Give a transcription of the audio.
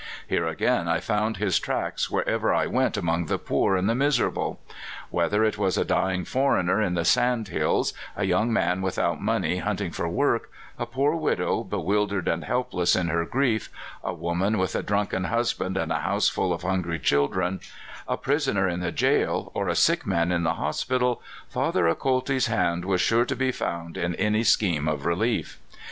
Here again I found his tracks wherever I went among the poor and the miserable. Whether it was a dying foreigner in the sand hills, a young man without money hunting for work, a poor widow bewildered and helpless in her grief, a woman with a drunken husband and a house full of hungry children, a prisoner in the jail, or a sick man in the hospital — Father Acolti's hand was sure to be found in any scheme of relief.